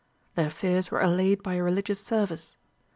Their fears were allayed by a religious service.